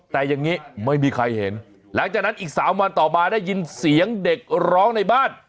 แต่อย่างนี้ไม่มีใครเห็นหลังจากนั้นอีก๓วันต่อมาได้ยินเสียงเด็กร้องในบ้าน